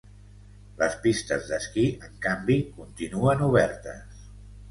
Les pistes d’esquí, en canvi, continuen obertes.